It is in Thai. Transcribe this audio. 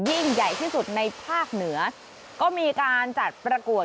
ยิ่งใหญ่ที่สุดในภาคเหนือก็มีการจัดประกวด